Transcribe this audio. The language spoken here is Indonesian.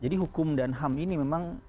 jadi hukum dan ham ini memang